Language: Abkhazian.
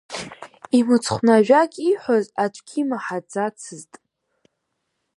Имцхәны ажәак иҳәо аӡәгьы имаҳаӡацызт.